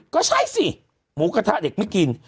ก็ใช่สิหมูกระทะเด็กไม่กิน